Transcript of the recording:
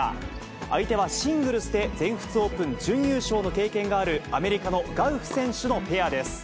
相手はシングルスで全仏オープン準優勝の経験があるアメリカのガウフ選手のペアです。